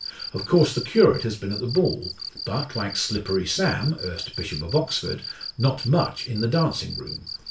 Of course, the curate has been at the ball; but, like "Slippery Sam," erst Bishop of Oxford, not much in the dancing room.